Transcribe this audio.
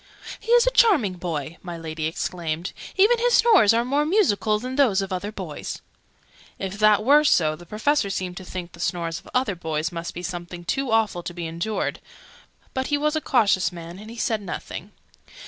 "He is a charming boy!" my Lady exclaimed. "Even his snores are more musical than those of other boys!" If that were so, the Professor seemed to think, the snores of other boys must be something too awful to be endured: but he was a cautious man, and he said nothing.